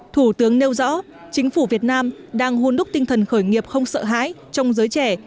thủ tướng nêu rõ chính phủ việt nam đang hôn đúc tinh thần khởi nghiệp không sợ hãi trong giới trẻ